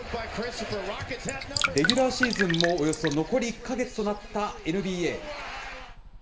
レギュラーシーズンもおよそ残り１か月となったＮＢＡ。